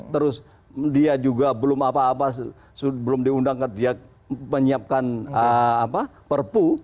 terus dia juga belum apa apa belum diundangkan dia menyiapkan perpu